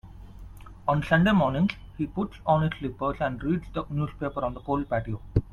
On Sunday mornings, he puts on his slippers and reads the newspaper on the cold patio.